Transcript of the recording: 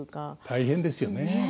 大変ですよね。